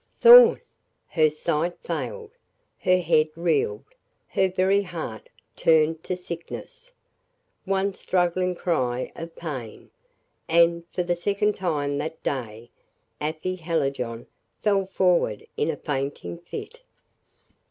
Thorn! Her sight failed; her head reeled; her very heart turned to sickness. One struggling cry of pain; and, for the second time that day, Afy Hallijohn fell forward in a fainting fit.